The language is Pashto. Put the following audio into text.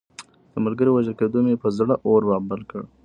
د ملګري وژل کېدو مې پر زړه اور رابل کړ.